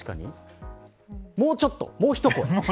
もうちょっと、もう一声。